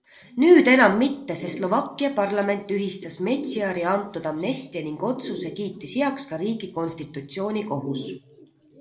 Nüüd enam mitte, sest Slovakkia parlament tühistas Meciari antud amnestia ning otsuse kiitis heaks ka riigi konstitutsioonikohus.